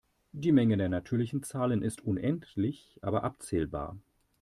Die Menge der natürlichen Zahlen ist unendlich aber abzählbar.